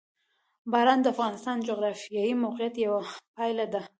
باران د افغانستان د جغرافیایي موقیعت یوه پایله ده.